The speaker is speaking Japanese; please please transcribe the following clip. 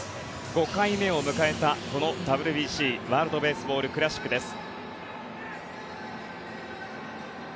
５回目を迎えたＷＢＣ＝ワールド・ベースボール・クラシックです。